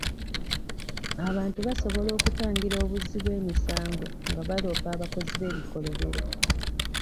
Abantu basobola okutangira obuzzi bw'emisango nga baloopa abakozi b'ebikolobero.